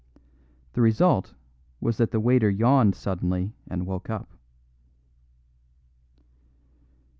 The result was that the waiter yawned suddenly and woke up.